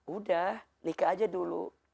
udah nikah aja dulu